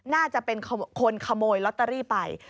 น่าจะเป็นคนขโมยลอตเตอรี่ไป